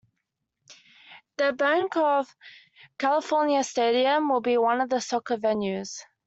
The Banc of California Stadium will be one of the soccer venues.